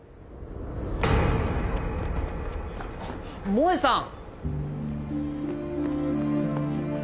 萌さん！